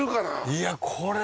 いやこれ。